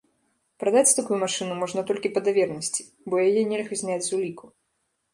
Прадаць такую машыну можна толькі па даверанасці, бо яе нельга зняць з уліку.